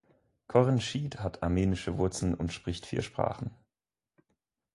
Corinne Schied hat armenische Wurzeln und spricht vier Sprachen.